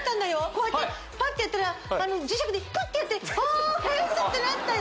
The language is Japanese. こうやってパッてやったら磁石でプッていってあーっフェイスってなったよ